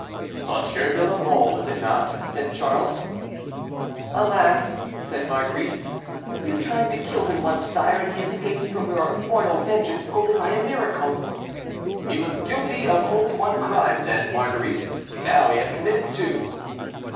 "Monsieur de la Mole, is it not?" said Charles. "Alas!" said Marguerite, "you tried to kill him once, sire, and he escaped from your royal vengeance only by a miracle." "He was guilty of only one crime then, Marguerite; now he has committed two."